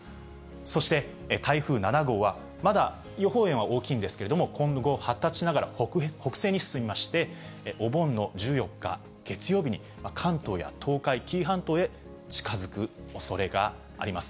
そして、台風７号は、まだ予報円は大きいんですけれども、今後発達しながら北西に進みまして、お盆の１４日月曜日に関東や東海、紀伊半島へ近づくおそれがあります。